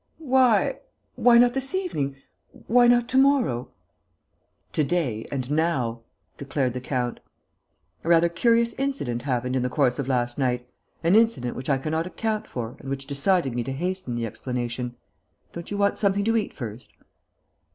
"Why?... Why not this evening?... Why not to morrow?" "To day and now," declared the count. "A rather curious incident happened in the course of last night, an incident which I cannot account for and which decided me to hasten the explanation. Don't you want something to eat first?"